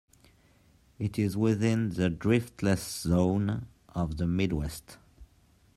It is within the Driftless Zone of the Midwest.